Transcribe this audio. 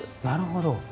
なるほど。